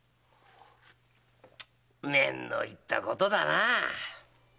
念の入ったことだな！